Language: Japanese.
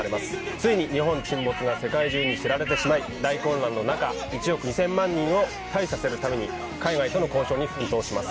ついに日本沈没が世界中に知られてしまい大混乱の中１億２千万人を退避させるために海外との交渉に奮闘します